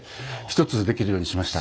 １つでできるようにしました。